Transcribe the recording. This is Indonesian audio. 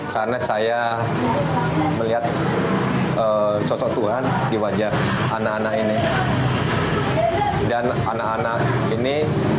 karena saya melihat sosok tuhan di wajah anak anak ini dan anak anak ini